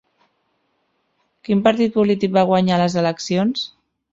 Quin partit polític va guanyar les eleccions?